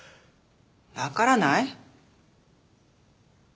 わからない？